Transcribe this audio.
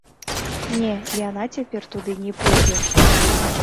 Не, яна цяпер туды не пойдзе!